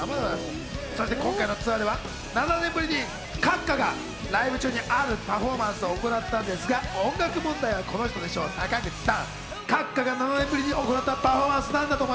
そして今回のツアーでは７年ぶりに閣下がライブ中にあるパフォーマンスを行っていたんですが、音楽問題はこの人でしょう、坂口さん！